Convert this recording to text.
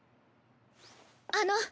あの。